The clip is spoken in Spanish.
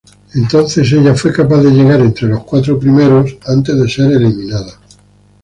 Entonces ella fue capaz de llegar a los cuatro primeros antes de ser eliminada.